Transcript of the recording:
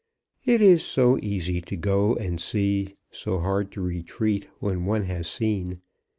It is so easy to go and see; so hard to retreat when one has seen.